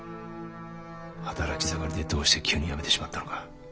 働き盛りでどうして急に辞めてしまったのか。